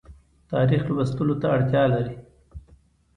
تاریخ لوستلو ته اړتیا لري